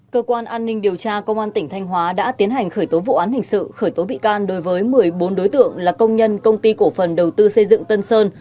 cơ quan an ninh điều tra công an tỉnh thanh hóa đã tiến hành khởi tố vụ án hình sự khởi tố bị can đối với một mươi bốn đối tượng là công nhân công ty cổ phần đầu tư xây dựng tân sơn